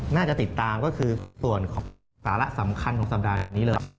น่าจะติดตามก็คือส่วนสาระสำคัญของสัปดาห์นี้เลย